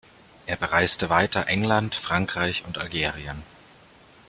Er bereiste weiter England, Frankreich und Algerien.